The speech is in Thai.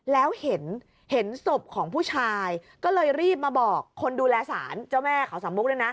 แล้วเห็นศพของผู้ชายก็เลยรีบมาบอกคนดูแลสารเจ้าแม่เขาสามมุกด้วยนะ